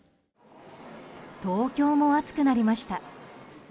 東京も暑くなりました。